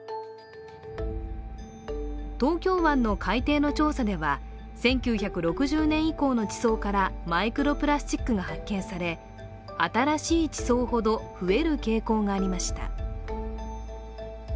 東京湾の海底の調査では１９６０年以降の地層からマイクロプラスチックが発見され新しい地層ほど増える傾向がありました。